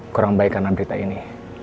kurang baik karena berita ini